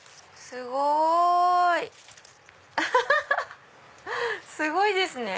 すごいですね。